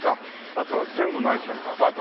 あとは全部マンションかアパート。